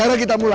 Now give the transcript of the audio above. acara kita mulai